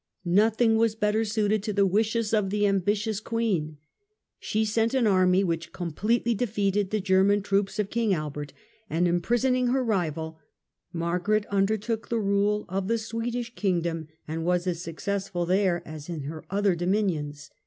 Nothing was better suited to the wishes of the ambitious Queen. She sent an army which completely defeated the German aud of troops of King Albert, and imprisoning her rival, Mar 1389 I4i2 garet undertook the rule of the Swedish Kingdom, and was as successful there as in her other dominions.